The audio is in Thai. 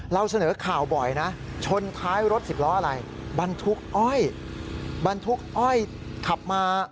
เราเสนอข่าวบ่อยนะชนท้ายรถสิบล้ออะไรบรรทุกอ้อยบรรทุกอ้อยขับมา